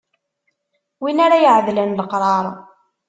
Wi ara iɛedlen leqrar.